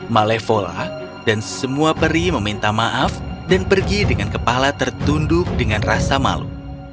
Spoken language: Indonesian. malevola dan semua peri meminta maaf dan pergi dengan kepala tertunduk dengan rasa malu